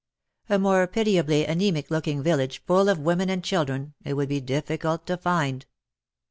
A more pitiably anaemic looking village full of women and children, it would be difficult to find.